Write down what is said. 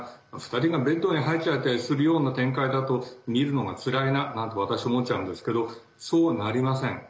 ２人がベッドに入っちゃったりするような展開だと見るのがつらいななんて私、思っちゃうんですけどそうなりません。